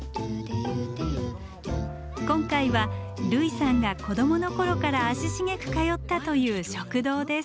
今回は類さんが子どもの頃から足しげく通ったという食堂です。